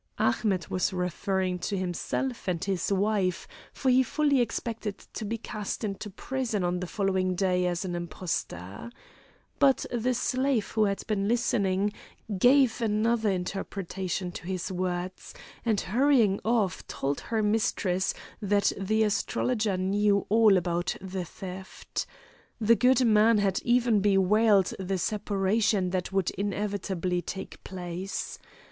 Ahmet was referring to himself and his wife, for he fully expected to be cast into prison on the following day as an impostor. But the slave who had been listening gave another interpretation to his words, and hurrying off, told her mistress that the astrologer knew all about the theft. The good man had even bewailed the separation that would inevitably take place.